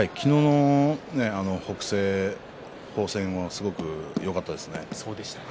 昨日の北青鵬戦はとてもよかったですね。